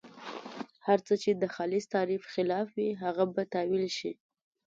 هر څه چې د خالص تعریف خلاف وي هغه به تاویل شي.